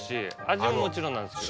味ももちろんなんですけど。